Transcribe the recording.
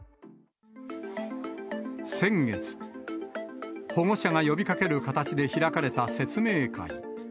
先月、保護者が呼びかける形で開かれた説明会。